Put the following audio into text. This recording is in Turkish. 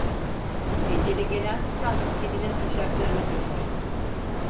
Eceli gelen sıçan kedinin taşaklarını kaşır.